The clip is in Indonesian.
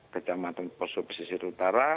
kecamatan posok pesisir utara